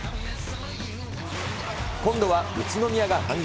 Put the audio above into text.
今度は宇都宮が反撃。